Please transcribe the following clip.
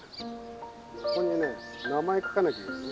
ここにね名前書かなきゃいけない。